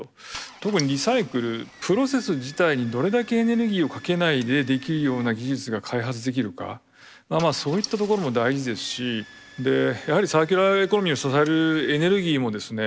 特にリサイクルプロセス自体にどれだけエネルギーをかけないでできるような技術が開発できるかまあそういったところも大事ですしやはりサーキュラーエコノミーを支えるエネルギーもですね